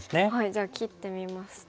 じゃあ切ってみますと。